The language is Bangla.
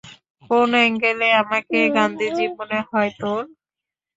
কোন এঙ্গেলে আমাকে গান্ধীজী মনে হয় তোর?